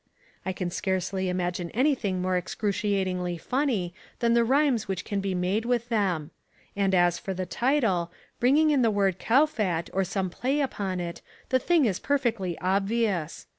I can scarcely imagine anything more excruciatingly funny than the rhymes which can be made with them. And as for the title, bringing in the word Kowfat or some play upon it, the thing is perfectly obvious.